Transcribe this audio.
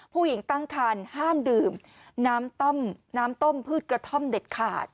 ผู้หญิงตั้งคันห้ามดื่มน้ำต้มน้ำต้มพืชกระท่อมเด็ดขาด